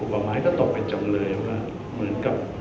ประมาณนี้ก็ตกไปจำเลยว่าเหมือนกับ